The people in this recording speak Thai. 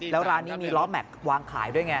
แล้วร้านนี้มีล้อแม็กซ์วางขายด้วยไง